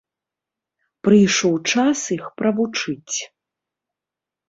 Прыйшоў час іх правучыць.